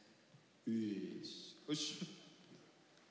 よし。